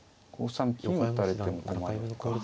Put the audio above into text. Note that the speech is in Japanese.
５三金を打たれても困るのか。